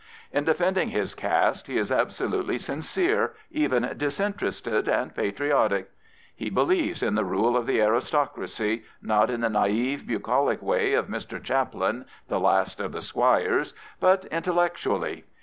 In defending his caste he is absolutely sincere, even disinterested and patriotic. He believes in the rule of the aristocracy, not in the naive, bucolic way of Mr. Chaplin, the last of the " squires," bu't intellectually.